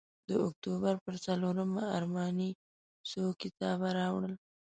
د اکتوبر پر څلورمه ارماني څو کتابه راوړل.